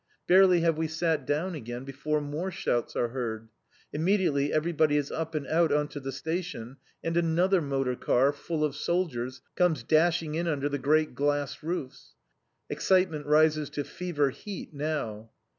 Barely have we sat down again before more shouts are heard. Immediately, everybody is up and out on to the station, and another motor car, full of soldiers, comes dashing in under the great glassed roofs. Excitement rises to fever heat now.